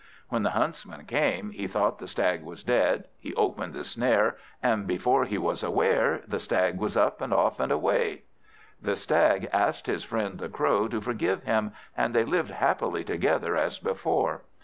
When the Huntsman came, he thought the Stag was dead; he opened the snare, and before he was aware, the Stag was up and off and away. The Stag asked his friend the Crow to forgive him, and they lived happily together as before.